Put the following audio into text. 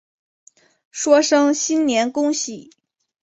说声新年恭喜